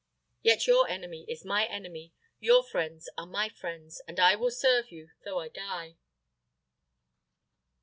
Yet your enemy is my enemy, your friends are my friends, and I will serve you, though I die!"